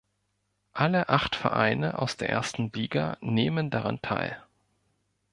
Alle acht Vereine aus der ersten Liga nehmen daran teil.